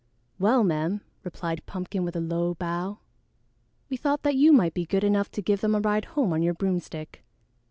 "Well, ma'am," replied Pumpkin with a low bow, "we thought that you might be good enough to give them a ride home on your broomstick."